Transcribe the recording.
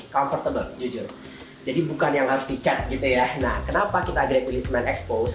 comfortable jujur jadi bukan yang harus dicek gitu ya nah kenapa kita gratisment expose